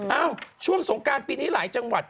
เอ้าช่วงสงการปีนี้หลายจังหวัด